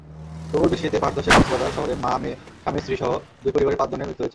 প্রবল বৃষ্টিতে পাহাড়ধসে কক্সবাজার শহরে মা-মেয়ে, স্বামী-স্ত্রীসহ দুই পরিবারের পাঁচজনের মৃত্যু হয়েছে।